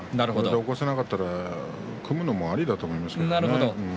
起こせなかったら組むのもありだと思いますけどね。